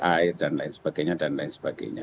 air dan lain sebagainya